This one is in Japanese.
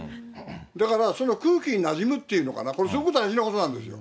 だから、その空気になじむっていうのかな、これ、そういうことがすごい大事なことなんですよ。